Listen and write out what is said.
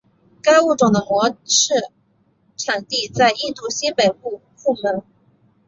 该物种的模式产地在印度西北部库蒙。